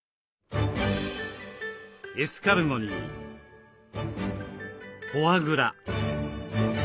エスカルゴにフォアグラ。